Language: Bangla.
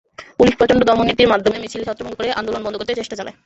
পুলিশ প্রচণ্ড দমননীতির মাধ্যমে মিছিল ছত্রভঙ্গ করে আন্দোলন বন্ধ করতে চেষ্টা চালায়।